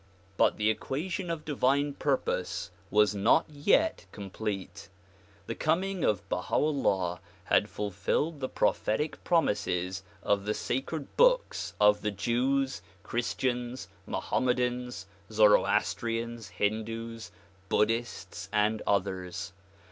But the equation of divine purpose was not yet complete. The coming of Baha 'Ullah had fulfilled the prophetic promises of the sacred books of the Jews, Cliristians, iMohammedans, Zoroas trians, Hindoos, Buddhists and others.